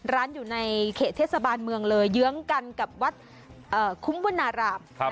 ร้านอยู่ในเขตเทศบาลเมืองเลยเยื้องกันกับวัดคุ้มวนาราม